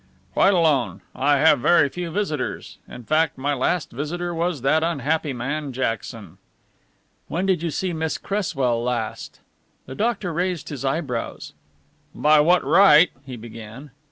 "Quite alone. I have very few visitors. In fact, my last visitor was that unhappy man Jackson." "When did you see Miss Cresswell last?" The doctor raised his eyebrows. "By what right ?" he began.